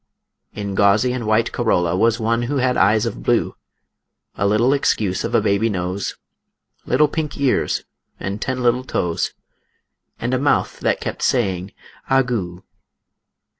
In gauzy and white corolla, Was one who had eyes of blue, A little excuse of a baby nose, Little pink ears, and ten little toes, And a mouth that kept saying ah goo.